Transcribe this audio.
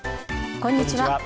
こんにちは。